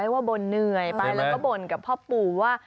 ว่าบ่นเหนื่อยไปแล้วก็บ่นกับพ่อปู่ว่า